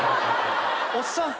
おっさん？